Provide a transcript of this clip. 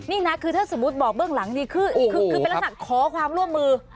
นี่นะคือถ้าสมมุติบอกเบื้องหลังดีคือเป็นลักษณะขอความร่วมมือ